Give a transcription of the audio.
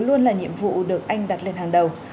luôn là nhiệm vụ được anh đặt lên hàng đầu